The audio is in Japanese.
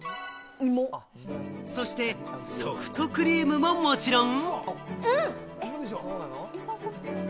そして、ソフトクリームも、もちろん。